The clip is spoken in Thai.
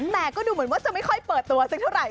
แต่ก็ดูเหมือนว่าจะไม่ค่อยเปิดตัวสักเท่าไห